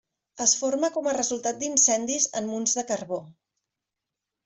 Es forma com a resultat d'incendis en munts de carbó.